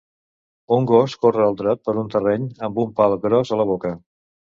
Un gos corre al trot per un terreny amb un pal gros a la boca.